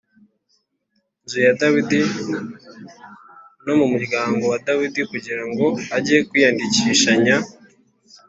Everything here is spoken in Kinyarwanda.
nzu ya Dawidi no mu muryango wa Dawidi kugira ngo ajye kwiyandikishanya